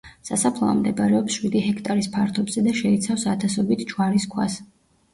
სასაფლაო მდებარეობს შვიდი ჰექტარის ფართობზე და შეიცავს ათასობით ჯვარის ქვას.